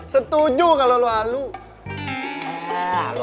setuju kalau lu